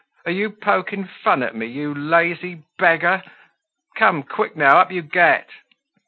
Are you poking fun at me, you lazy beggar? Come, quick now, up you get!"